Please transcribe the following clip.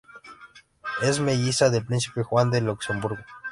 Es melliza del príncipe Juan de Luxemburgo.